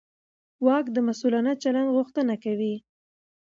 واک د مسوولانه چلند غوښتنه کوي.